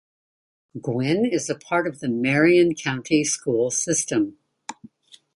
Guin is a part of the Marion County School system.